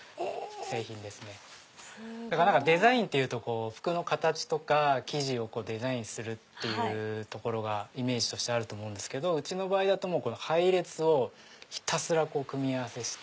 デザインっていうと服の形とか生地をデザインするっていうところがイメージとしてあると思うけどうちの場合配列を組み合わせて。